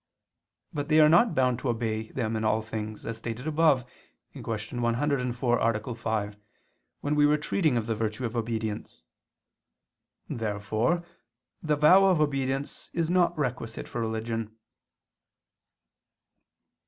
But they are not bound to obey them in all things, as stated above (Q. 104, A. 5), when we were treating of the virtue of obedience. Therefore the vow of obedience is not requisite for religion.